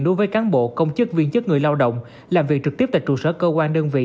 đối với cán bộ công chức viên chức người lao động làm việc trực tiếp tại trụ sở cơ quan đơn vị